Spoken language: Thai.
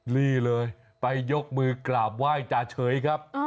นี่เลยไปยกมือกราบไหว้จาเฉยครับ